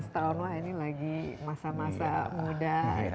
sembilan belas tahun lah ini lagi masa masa muda